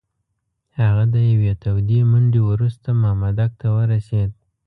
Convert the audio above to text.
هغه د یوې تودې منډې وروسته مامدک ته ورسېد.